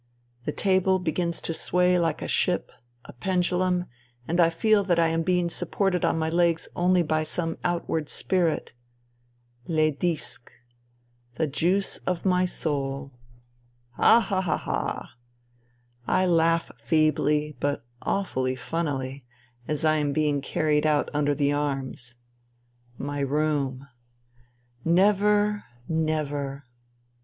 The table begins to sway like a ship — ^a pendulum — and I feel that I am being supported on my legs only by some outward spirit. Les disqties. The juice of my soul. Ha, ha, ha, ha ! I laugh feebly but awfully funnily, as I am being carried out under the arms. My room. Never, never.